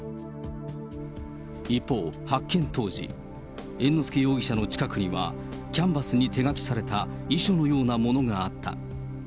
一方、発見当時、猿之助容疑者の近くには、キャンバスに手書きされた遺書のようなものがあった。